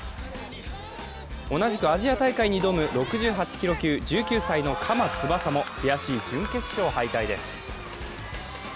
同じくアジア大会に挑む６８キロ級、１９歳の釜つばさも悔しい準決勝敗退です。